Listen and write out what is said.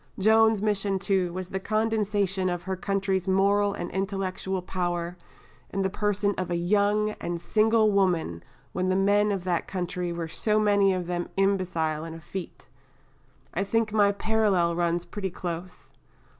Joan's mission, too, was the condensation of her country's moral and intellectual power in the person of a young and single woman when the men of that country were so many of them imbecile and effete! I think my parallel runs pretty close."